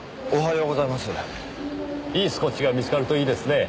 いいスコッチが見つかるといいですねぇ。